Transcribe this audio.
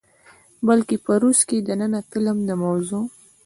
بلکې په روس کښې دننه د فلم د موضوع،